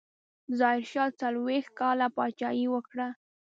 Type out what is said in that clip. ظاهرشاه څلوېښت کاله پاچاهي وکړه.